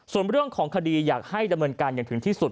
ส่วนเรื่องของคดีอยากให้ดำเนินการอย่างถึงที่สุด